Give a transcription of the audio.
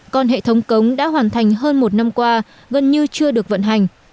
còn hệ thống cống đã hoàn thành hơn một năm qua gần như chưa được vận hành